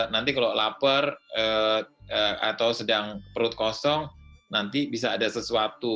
nanti kalau lapar atau sedang perut kosong nanti bisa ada sesuatu